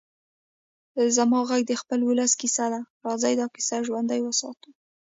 زما غږ د خپل ولس کيسه ده؛ راځئ دا کيسه ژوندۍ وساتو.